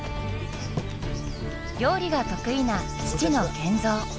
料理が得意な父の賢三。